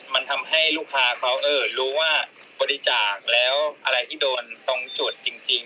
มันทำให้ลูกค้าเขารู้ว่าบริจาคแล้วอะไรที่โดนตรงจุดจริง